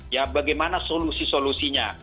ya bagaimana solusi solusinya